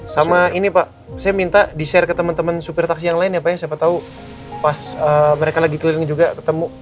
sama ini pak saya minta di share ke teman teman supir taksi yang lain ya pak ya siapa tahu pas mereka lagi keliling juga ketemu